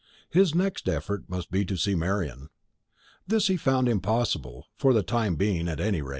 His next effort must be to see Marian. This he found impossible, for the time being at any rate.